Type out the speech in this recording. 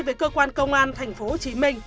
với cơ quan công an tp hcm